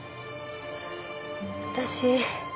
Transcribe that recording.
私。